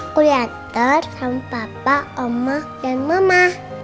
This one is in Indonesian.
aku diantar sama papa oma dan mama